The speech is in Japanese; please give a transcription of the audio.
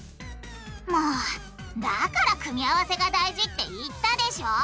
もうだから組み合わせが大事って言ったでしょ！